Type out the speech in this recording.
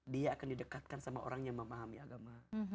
dia akan didekatkan sama orang yang memahami agama